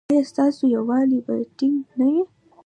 ایا ستاسو یووالي به ټینګ نه وي؟